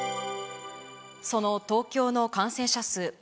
その東京の感染者数。